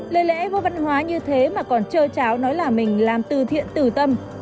lời lẽ vô văn hóa như thế mà còn chơi cháo nói là mình làm từ thiện từ tâm